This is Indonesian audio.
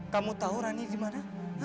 kamu tahu rani di mana